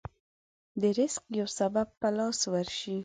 د رزق يو سبب په لاس ورشي.